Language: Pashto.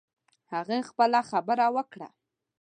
هغې خپله خبره وکړه